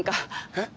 えっ？